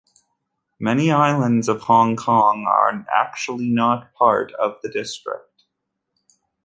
Many islands of Hong Kong are actually not part of the district.